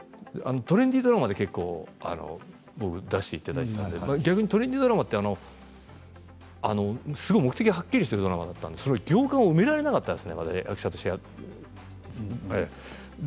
トレンディードラマで最初、出していただいてトレンディードラマは逆にすごく目的がはっきりしているドラマだったので行間を埋められなかったんですね